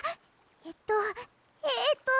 えっとえっと